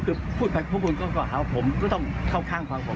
คือพูดไปพวกคุณก็กล่าวผมก็ต้องเข้าข้างความผม